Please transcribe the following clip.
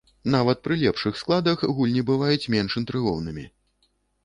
Нават пры лепшых складах гульні бываюць менш інтрыгоўнымі.